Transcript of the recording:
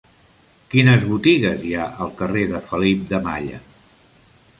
Quines botigues hi ha al carrer de Felip de Malla?